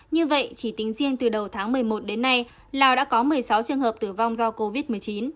như vậy chỉ tính riêng từ đầu tháng một mươi một đến nay lào đã có một mươi sáu trường hợp tử vong do covid một mươi chín